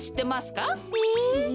え？